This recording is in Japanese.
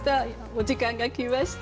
お時間が来ました。